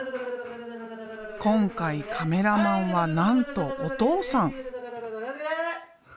今回カメラマンはなんとお父さん。